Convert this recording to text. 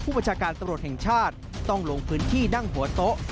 ประชาการตำรวจแห่งชาติต้องลงพื้นที่นั่งหัวโต๊ะ